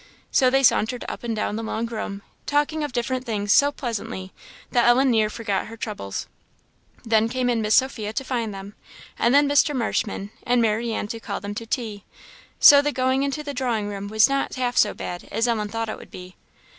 So they sauntered up and down the long room, talking of different things, so pleasantly, that Ellen near forgot her troubles. Then came in Miss Sophia to find them, and then Mr. Marshman, and Marianne to call them to tea; so the going into the drawing room was not half so bad as Ellen thought it would be.